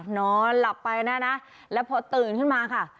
นอนหลับไปนะนะแล้วพอตื่นขึ้นมาค่ะ